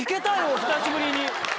久しぶりに。